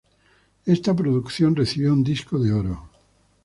Esta producción recibió un "disco de oro".